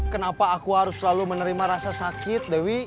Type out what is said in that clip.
kenapa aku harus selalu menerima rasa sakit dewi